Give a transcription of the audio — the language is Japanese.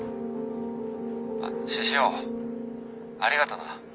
あっ獅子王ありがとな。